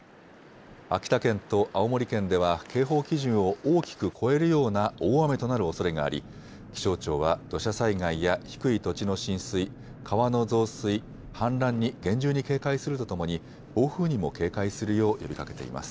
秋田県と青森県では警報基準を大きく超えるような大雨となるおそれがあり、気象庁は土砂災害や低い土地の浸水、川の増水、氾濫に厳重に警戒するとともに暴風にも警戒するよう呼びかけています。